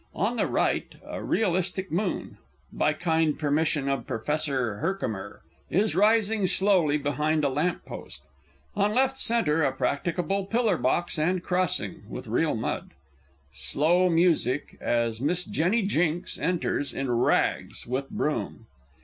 On the right, a realistic Moon (by kind permission of_ Professor HERKOMER) _is rising slowly behind a lamp post. On left centre, a practicable pillar box, and crossing, with real mud. Slow Music, as_ Miss JENNY JINKS _enters, in rags, with broom.